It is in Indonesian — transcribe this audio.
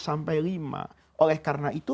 sampai lima oleh karena itu